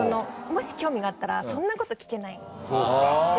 もし興味があったらそんな事聞けない。